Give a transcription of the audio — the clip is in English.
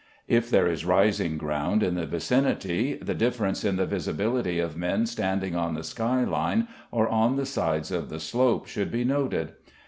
If there is rising ground in the vicinity the difference in the visibility of men standing on the sky line or on the sides of the slope should be noted.